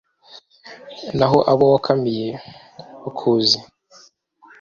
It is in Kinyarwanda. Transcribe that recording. Naho abo wayakamiye bakuzi